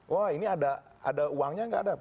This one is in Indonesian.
wah ini ada uangnya nggak ada